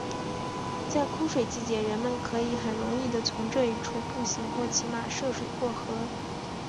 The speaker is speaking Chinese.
在枯水季节人们可以很容易的从这一处步行或骑马涉水过河。